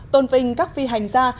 tôn vinh các phi hình gia